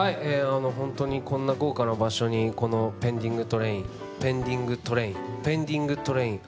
ホントにこんな豪華な場所にこの「ペンディングトレイン」「ペンディングトレイン」「ペンディングトレイン」＃